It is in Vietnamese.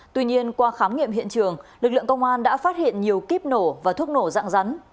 tuy nhiên qua khám nghiệm hiện trường lực lượng công an đã phát hiện nhiều kíp nổ và thuốc nổ dạng rắn